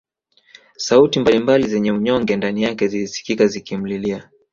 Sauti mbali mbali zenye unyonge ndani yake zilisikika zikimlilia